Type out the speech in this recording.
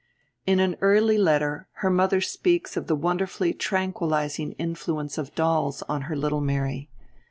In an early letter her mother speaks of the wonderfully tranquillising influence of dolls on her little Mary.